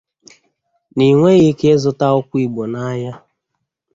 na i nweghị ike ịzụta akwụkwọ Igbo n'ahịa